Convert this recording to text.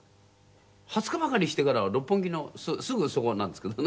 ２０日ばかりしてから六本木のすぐそこなんですけどね。